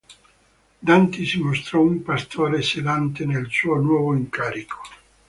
Danti si mostrò un pastore zelante nel suo nuovo incarico.